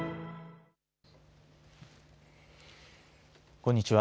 こんにちは。